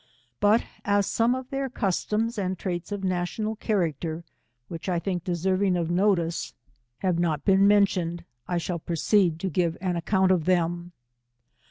But as some of tlieir customs and traits of national character, which I think deserving of notice, have not been 170 menlioned, I shall proceed to giv'« an account oi them.